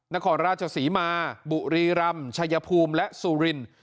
นครราชสีมาบุรีรำชัยภูมิและซูริน